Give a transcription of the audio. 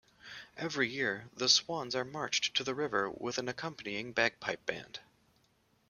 Every year, the swans are marched to the river with an accompanying bagpipe band.